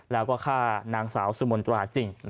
แล้วก็ฆ่านางสาวสุมนตราจริง